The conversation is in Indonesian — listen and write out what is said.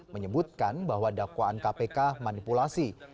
menyebutkan bahwa dakwaan kpk manipulasi